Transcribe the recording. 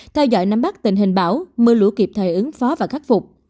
theo dõi nắm bắt tình hình bão mưa lũ kịp thời ứng phó và khắc phục